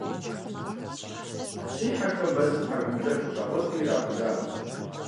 Си хьэхэм мэзым тхьэкӀумэкӀыхь къыщагъуэтри ирахужьащ.